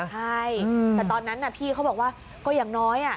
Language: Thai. แต่ตอนนั้นน่ะพี่เค้าบอกว่าก็อย่างน้อยอ่ะ